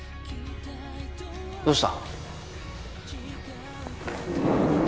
どうした？